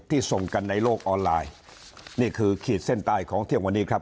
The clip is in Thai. ส่งกันในโลกออนไลน์นี่คือขีดเส้นใต้ของเที่ยงวันนี้ครับ